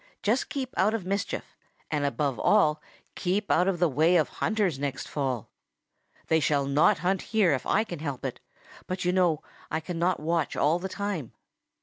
Just keep out of mischief, and above all keep out of the way of hunters next fall. They shall not hunt here if I can help it, but you know I cannot watch all the time.